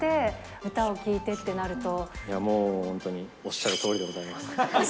もう本当に、おっしゃるとおりでございます。